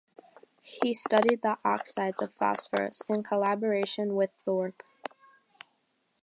He studied the oxides of phosphorus in collaboration with Thorpe.